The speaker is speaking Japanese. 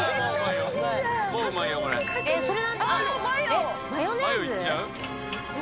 えっマヨネーズ？